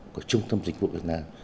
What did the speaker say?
của trung tâm dịch vụ việt nam